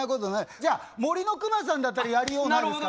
じゃあ「森のくまさん」だったらやりようないですからね。